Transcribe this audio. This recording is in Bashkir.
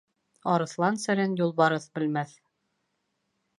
Арыҫлан серен юлбарыҫ белмәҫ.